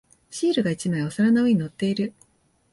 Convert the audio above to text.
シールが一枚お皿の上に乗っている。